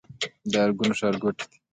د ارګون ښارګوټی دی